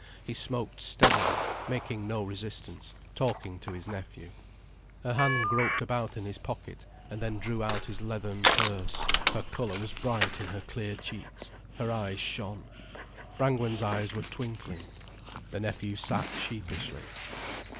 He smoked steadily, making no resistance, talking to his nephew. Her hand groped about in his pocket, and then drew out his leathern purse. Her colour was bright in her clear cheeks, her eyes shone. Brangwen's eyes were twinkling. The nephew sat sheepishly.